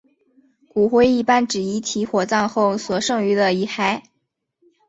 骨灰一般指遗体于火葬后所剩余的遗骸。